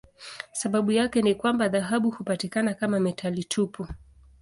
Sababu yake ni kwamba dhahabu hupatikana kama metali tupu.